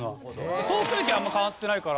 東京駅はあんま変わってないから。